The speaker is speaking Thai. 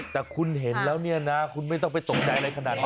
แต่คุณเห็นแล้วเนี่ยนะคุณไม่ต้องไปตกใจอะไรขนาดนั้น